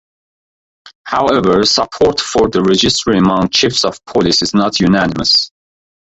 However, support for the registry among Chiefs of Police is not unanimous.